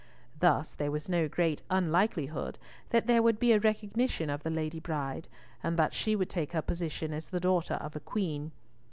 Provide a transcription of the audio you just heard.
Thus there was no great unlikelihood that there would be a recognition of the Lady Bride, and that she would take her position as the daughter of a queen.